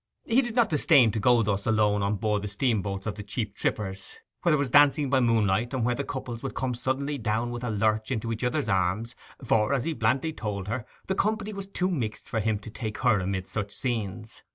He did not disdain to go thus alone on board the steamboats of the cheap trippers, where there was dancing by moonlight, and where the couples would come suddenly down with a lurch into each other's arms; for, as he blandly told her, the company was too mixed for him to take her amid such scenes.